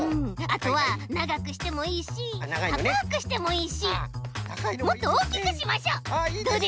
あとはながくしてもいいしたかくしてもいいしもっとおおきくしましょう！